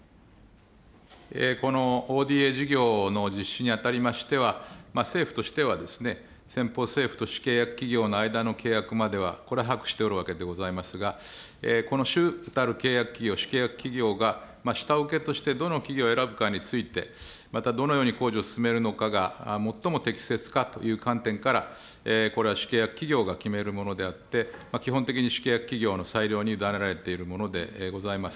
このＯＤＡ事業の実施にあたりましては、政府としては、先方政府と主契約企業の契約までは、これは把握しておるわけでありますが、この主たる契約企業、主契約企業が下請けとしてどの企業を選ぶかについて、またどのように工事を進めるのが最も適切かという観点から、これは主契約企業が決めるものであって、基本的に主契約企業の裁量に委ねられているものでございます。